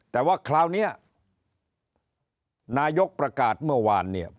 แต่ว่าคราวนี้นายกประกาศเมื่อวานเนี่ย